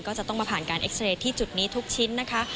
ก็จะต้องมาผ่านการเอ็กซาเรย์ที่จุดนี้ทุกชิ้นนะคะ